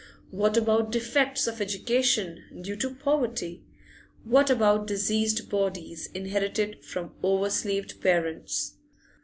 What about defects of education, due to poverty? What about diseased bodies inherited from over slaved parents?